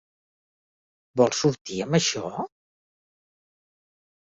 Vols sortir amb això?